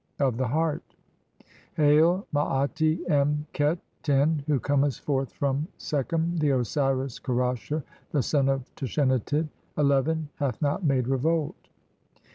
. of the heart. "Hail, Maati em khet, (10) who comest forth from "Sekhem, the Osiris Kerasher, the son of Tashenatit, "(11) hath not made revolt.